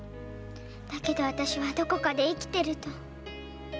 だけど私はどこかで生きていると。